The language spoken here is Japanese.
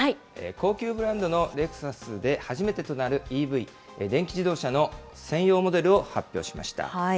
高級ブランドのレクサスで初めてとなる、ＥＶ・電気自動車の専用モデルを発表しました。